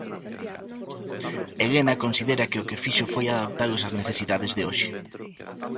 Elena considera que o que fixo foi adaptalos ás necesidades de hoxe.